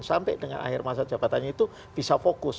sampai dengan akhir masa jabatannya itu bisa fokus